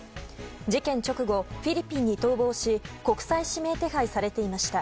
事件直後、フィリピンに逃亡し国際指名手配されていました。